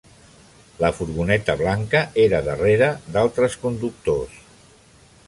La furgoneta blanca era darrere d'altres conductors.